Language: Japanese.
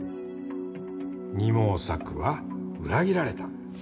「二毛作は裏切られた」